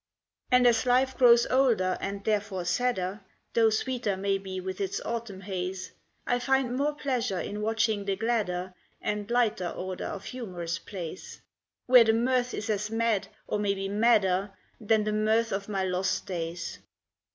And as life grows older, and therefore sadder (Though sweeter maybe with its autumn haze), I find more pleasure in watching the gladder And lighter order of humorous plays. Where the mirth is as mad, or maybe madder, Than the mirth of my lost days.